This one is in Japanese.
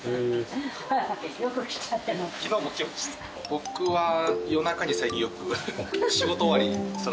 僕は夜中に最近よく仕事終わりそのまま。